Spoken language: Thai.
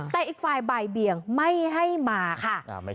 แต่อีกฝ่ายบ่ายเบียงไม่ให้มาค่ะ